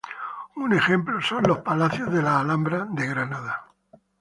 Un ejemplo es el palacio de la Alhambra de Granada.